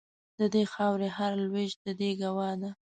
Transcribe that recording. د دې خاوري هر لوېشت د دې ګوا ده